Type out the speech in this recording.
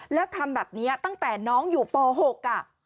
แล้วทำแบบนี้ตั้งแต่น้องอยู่ป๖อ่ะ